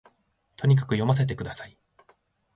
とにかく読ませて下さい